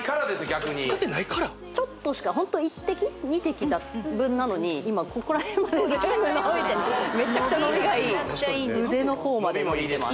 逆にちょっとしかホント１２滴分なのに今ここらへんまで全部伸びてめちゃくちゃ伸びがいい腕の方まで伸びます